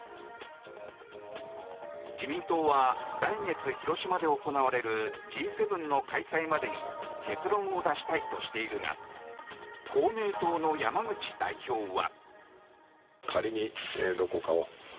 自民党は、来月広島で行われるＧ７の開催までに結論を出したいとしているが公明党の山口代表は。